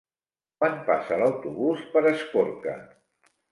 Quan passa l'autobús per Escorca?